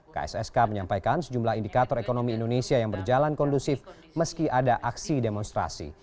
kssk menyampaikan sejumlah indikator ekonomi indonesia yang berjalan kondusif meski ada aksi demonstrasi